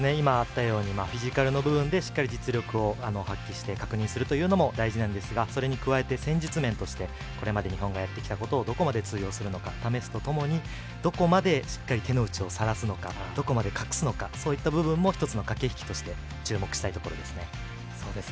フィジカルの部分でしっかり実力を発揮して確認するのも大事なんですがそれに加えて戦術面としてこれまで日本がやってきたことがどこまで通用するか試すとともにどこまでしっかり手の内をさらすのかどこまで隠すのかそういった部分も１つの駆け引きとして注目したいところですね。